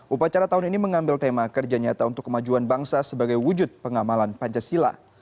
upacara tahun ini mengambil tema kerja nyata untuk kemajuan bangsa sebagai wujud pengamalan pancasila